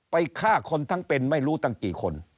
ฆ่าคนทั้งเป็นไม่รู้ตั้งกี่คน